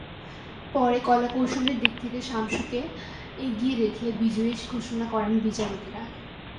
পরে কলাকৌশলের দিক থেকে সামশুকে এগিয়ে রেখে বিজয়ী ঘোষণা করেন বিচারকেরা।